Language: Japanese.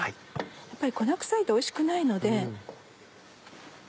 やっぱり粉くさいとおいしくないので。